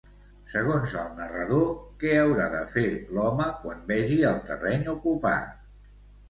Segons el narrador, què haurà de fer l'home quan vegi el terreny ocupat?